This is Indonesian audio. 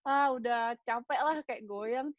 ah udah capek lah kayak goyang